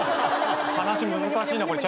話難しいなこれ。